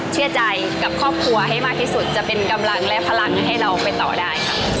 เชื่อใจกับครอบครัวให้มากที่สุดจะเป็นกำลังและพลังให้เราไปต่อได้ค่ะ